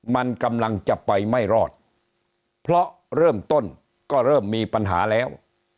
มันกำลังจะไปไม่รอดเพราะเริ่มต้นก็เริ่มมีปัญหาแล้ว